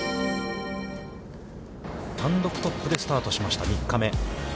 単独トップでスタートしました、３日目。